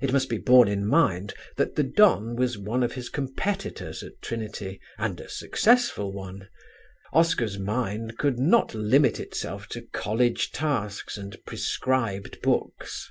It must be borne in mind that the Don was one of his competitors at Trinity, and a successful one; Oscar's mind could not limit itself to college tasks and prescribed books.